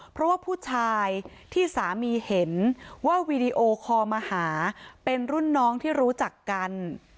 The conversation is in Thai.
เพราะว่าผู้ชายที่สามีเห็นว่าวีดีโอคอลมาหาเป็นรุ่นน้องที่รู้จักกัน